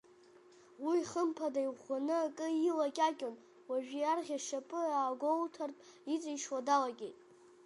Уи, хымԥада, иӷәӷәаны акы илакьакьон, уажә иарӷьа шьапгьы иаагәоуҭартә иҵишьуа далагеит.